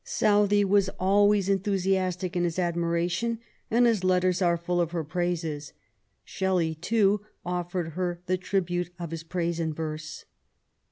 Southey was always enthu siastic in his admiration, and his letters are full of her praises. Shelley, too, offered her the tribute of his praise in verse.